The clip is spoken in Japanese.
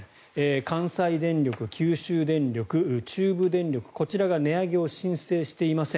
関西電力、九州電力、中部電力こちらが値上げを申請していません。